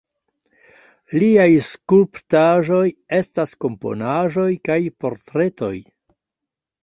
Liaj skulptaĵoj estas komponaĵoj kaj portretoj.